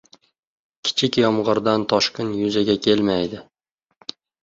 • Kichik yomg‘irdan toshqin yuzaga kelmaydi.